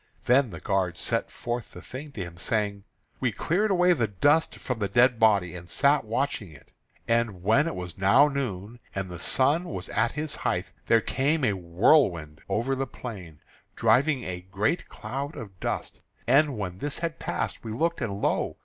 Then the guard set forth the thing to him, saying: "We cleared away the dust from the dead body, and sat watching it. And when it was now noon, and the sun was at his height, there came a whirlwind over the plain, driving a great cloud of dust. And when this had passed, we looked, and lo!